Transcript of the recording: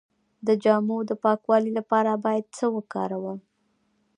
د جامو د پاکوالي لپاره باید څه شی وکاروم؟